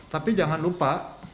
tapi jangan lupa